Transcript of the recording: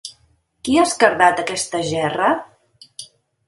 Qui ha esquerdat aquesta gerra?